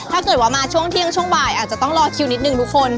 ถ้าเกิดว่ามาช่วงเที่ยงช่วงบ่ายอาจจะต้องรอคิวนิดนึงทุกคน